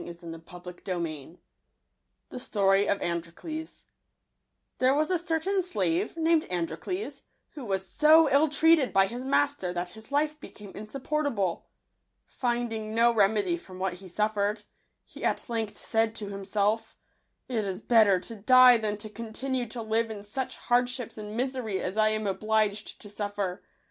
Digitized by Google ,'wj z Utorg of ftntoQtto* a HERE was a certain slave, named Androcles, who was so ill treated by his master that his life became insupportable. Finding no remedy from what he suffered, he at length said to himself, "It is better to die than to continue tp live in such hardships and misery as I am obliged to suffer.